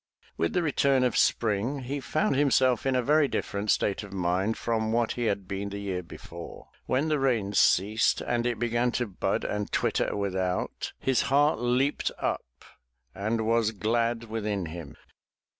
With the return of spring, he found himself in a very different state of mind from what he had been the year before. When the rains ceased and it began to bud and twitter without, his heart leaped up and was glad within him.